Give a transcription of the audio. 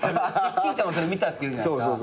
金ちゃんもそれ見たって言うじゃないですか。